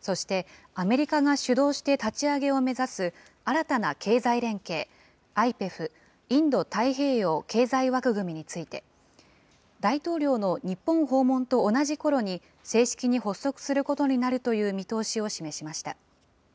そしてアメリカが主導して立ち上げを目指す新たな経済連携、ＩＰＥＦ・インド太平洋経済枠組みについて、大統領の日本訪問と同じころに、正式に発足することになるという見通しを示しました。